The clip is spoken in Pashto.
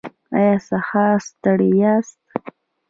ایا سهار ستړي یاست؟